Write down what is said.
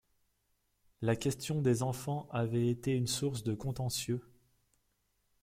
La question des enfants avait été une source de contentieux